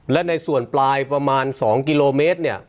และในส่วนปลายประมาณ๒กิโลเมตรเนี่ย